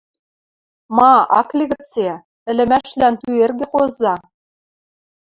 Ма, ак ли гыце: ӹлӹмӓшлӓн пӱэргӹ хоза.